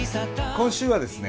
今週はですね